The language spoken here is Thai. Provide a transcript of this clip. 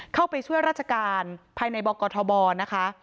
เข้าไปช่วยราชการภายในบกทบนะคะ